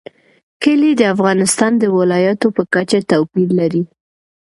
کلي د افغانستان د ولایاتو په کچه توپیر لري.